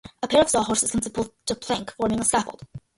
A pair of sawhorses can support a plank, forming a scaffold.